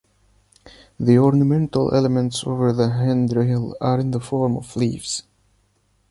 The ornamental elements over the handrail are in the form of leaves.